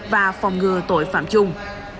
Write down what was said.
và phòng ngừa tội phạm chung